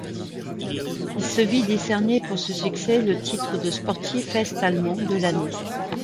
Il se vit décerner pour ce succès le titre de sportif est-allemand de l'année.